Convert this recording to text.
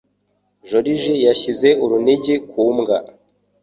Joriji yashyize urunigi ku mbwa.